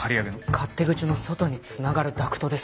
勝手口の外に繋がるダクトです。